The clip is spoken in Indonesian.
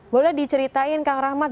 boleh diceritain kang rahmat